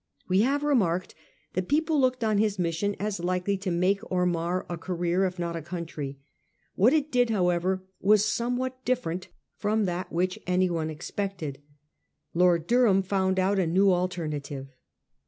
We have remarked that people looked on his mission as likely to make or mar a career, if not a country. What it did, however, was somewhat different from that which anyone expected. Lord Durham found out a new alternative.